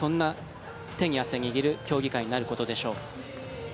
そんな手に汗握る競技会になることでしょう。